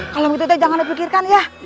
kalau begitu tuh jangan dipikirkan ya